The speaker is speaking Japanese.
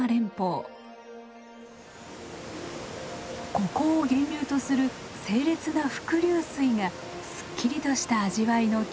ここを源流とする清冽な伏流水がすっきりとした味わいの決め手です。